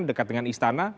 dekat dengan istana